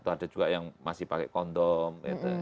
ada juga yang masih pakai kondom